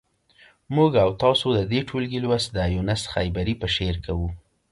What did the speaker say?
موږ او تاسو د دې ټولګي لوست د یونس خیبري په شعر کوو.